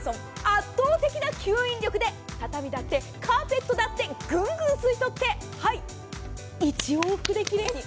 圧倒的な吸引力で畳だって、カーペットだってぐんぐん吸い取って１往復で奇麗に。